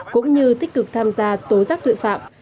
cũng như tích cực tham gia tố giác tội phạm